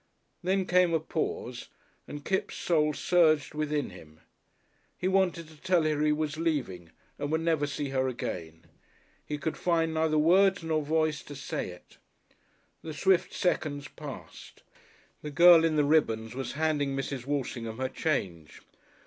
Then came a pause and Kipps' soul surged within him. He wanted to tell her he was leaving and would never see her again. He could find neither words nor voice to say it. The swift seconds passed. The girl in the ribbons was handing Mrs. Walshingham her change.